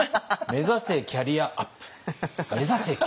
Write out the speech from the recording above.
目指せキャリアアップ！